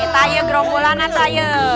tayu gerombolannya saya